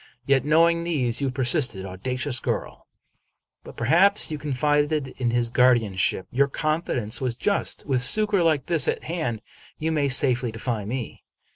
Yet, knowing these, you persisted. Audacious girl ! But perhaps you confided in his guardian ship. Your confidence was just. With succor like this at hand you may safely defy me.